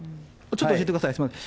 ちょっと教えてください。